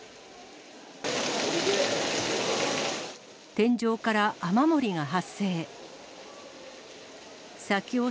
天井から雨漏りが発生。